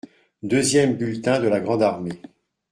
Deuxième bulletin de la grande armée.